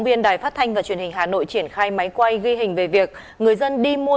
viên đài phát thanh và truyền hình hà nội triển khai máy quay ghi hình về việc người dân đi mua